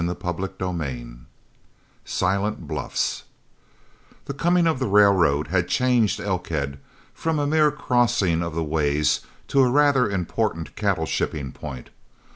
CHAPTER XI SILENT BLUFFS The coming of the railroad had changed Elkhead from a mere crossing of the ways to a rather important cattle shipping point.